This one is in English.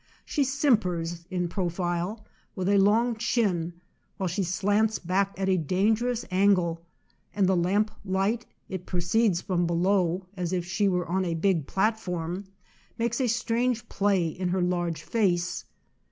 She simpers, in profile, with a long chin, while she slants back at a dangerous angle, and the lamp light (it proceeds from below, as if she were on a big platform) makes a strange play in her large face.